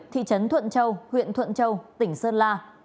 thị trấn thuận châu huyện thuận châu tỉnh sơn la